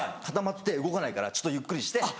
固まって動かないからちょっとゆっくりして。